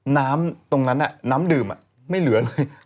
น้ำตรงนั้นน้ำดื่มไม่เหลือเลย